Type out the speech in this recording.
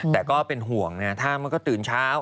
แต่ก็เป็นห่วงนะถ้ามันก็ตื่นเช้า